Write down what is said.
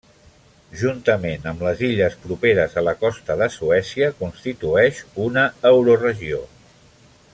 Juntament amb les illes properes a la costa de Suècia constitueix una Euroregió.